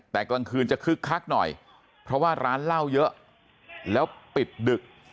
แต่กลางคืนจะคึกคักหน่อยเพราะว่าร้านเหล้าเยอะแล้วปิดดึก